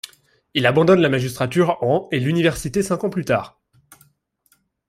Il abandonne la magistrature en et l'université cinq ans plus tard.